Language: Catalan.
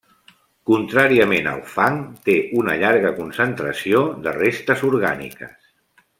Contràriament al fang té una llarga concentració de restes orgàniques.